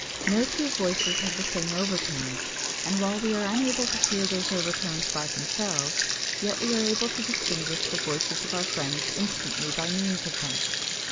No two voices have the same overtones, and while we are unable to hear these overtones by themselves, yet we are able to distinguish the voices of our friends instantly by means of them.